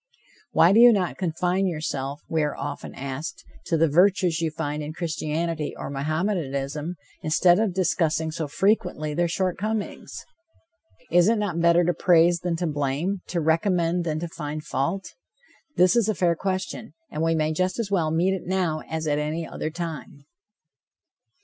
"Why do you not confine yourself," we are often asked, "to the virtues you find in Christianity or Mohammedanism, instead of discussing so frequently their short comings? Is it not better to praise than to blame, to recommend than to find fault?" This is a fair question, and we may just as well meet it now as at any other time.